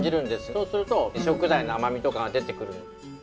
そうすると食材の甘みとかが出てくる。